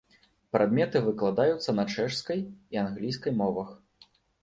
Прадметы выкладаюцца на чэшскай і англійскай мовах.